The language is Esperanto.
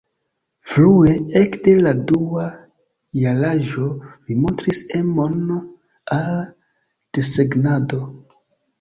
Frue, ekde la dua jaraĝo li montris emon al desegnado.